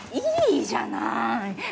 いいじゃない！